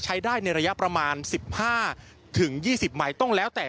ใช้ได้ในระยะประมาณสิบห้าถึงยี่สิบหมายต้องแล้วแต่